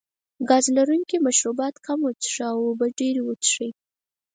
ګاز لرونکي مشروبات کم وڅښه او اوبه ډېرې وڅښئ.